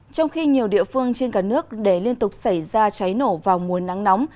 trong khi nhiều địa phương trên cả nước để liên tục xảy ra cháy nổ vào mùa nắng nóng